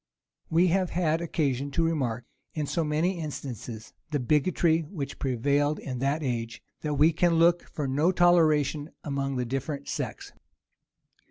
We have had occasion to remark, in so many instances, the bigotry which prevailed in that age, that we can look for no toleration among the different sects.